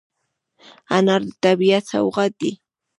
انار د طبیعت سوغات دی.